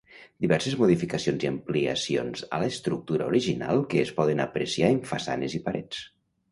Diverses modificacions i ampliacions a l'estructura original que es poden apreciar en façanes i parets.